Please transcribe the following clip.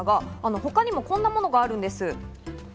他にもこんなものがあるんです。